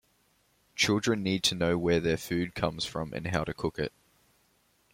Children need to know where their food comes from and how to cook it.